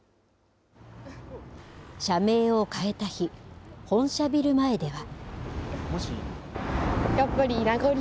社名を変えた日、本社ビル前では。